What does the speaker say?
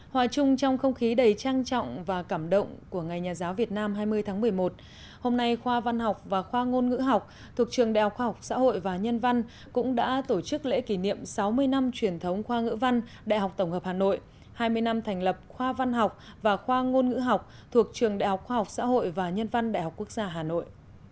hòa chung trong không khí đầy trang trọng và cảm động của ngày nhà giáo việt nam hai mươi tháng một mươi một hôm nay khoa văn học và khoa ngôn ngữ học thuộc trường đại học khoa học xã hội và nhân văn cũng đã tổ chức lễ kỷ niệm sáu mươi năm truyền thống khoa ngữ văn đại học tổng hợp hà nội hai mươi năm thành lập khoa văn học và khoa ngôn ngữ học thuộc trường đại học khoa học xã hội và nhân văn đại học quốc gia hà nội